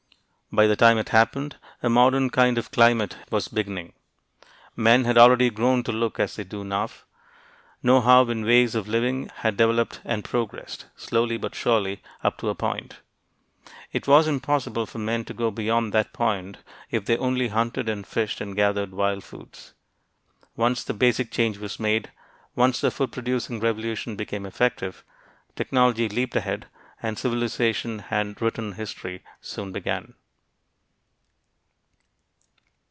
By the time it happened, a modern kind of climate was beginning. Men had already grown to look as they do now. Know how in ways of living had developed and progressed, slowly but surely, up to a point. It was impossible for men to go beyond that point if they only hunted and fished and gathered wild foods. Once the basic change was made once the food producing revolution became effective technology leaped ahead and civilization and written history soon began.